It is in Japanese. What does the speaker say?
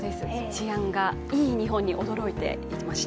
治安がいい日本に驚いていました。